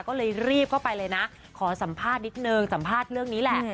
ก็เลยรีบเข้าไปเลยนะขอสัมภาษณ์นิดนึงสัมภาษณ์เรื่องนี้แหละ